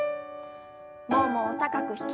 ももを高く引き上げて。